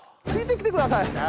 ついて来てください！